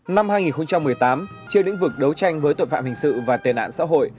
năm hai nghìn một mươi tám trên lĩnh vực đấu tranh với tội phạm hình sự và tệ nạn xã hội